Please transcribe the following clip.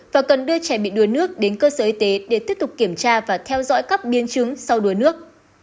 và cần đưa trẻ bị đua nước đến cơ sở y tế để tiếp tục kiểm tra và theo dõi các biên chứng sau đua nước